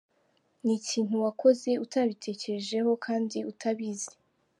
Ni ikintu wakoze utabitekerejeho kandi utabizi.